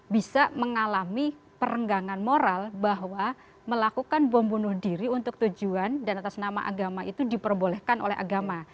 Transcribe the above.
bisa mengalami perenggangan moral bahwa melakukan bom bunuh diri untuk tujuan dan atas nama agama itu diperbolehkan oleh agama